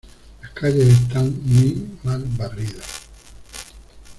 Las calles están muy mal barridos.